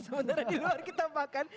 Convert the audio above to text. sebenarnya di luar kita makan